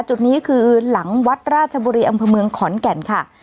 จุดนี้คือหลังวัดราชบุรีอำเภอเมืองขอนแก่นค่ะ